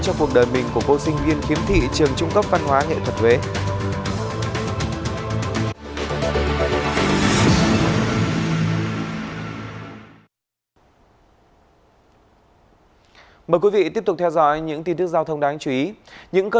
cho cuộc đời mình của cô sinh viên khiếm thị trường trung cấp văn hóa nghệ thuật huế